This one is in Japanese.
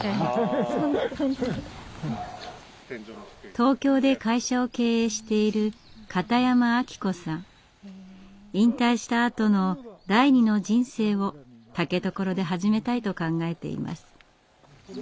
東京で会社を経営している引退したあとの第２の人生を竹所で始めたいと考えています。